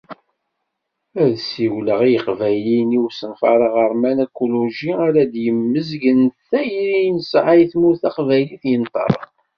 Ad ssiwleɣ i Yiqbayliyen i usenfar aɣerman akuluji ara d-yemmezgen d tayri i nesɛa i Tmurt Taqbaylit yenṭerren.